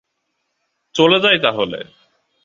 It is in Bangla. চলো যাই তাহলে।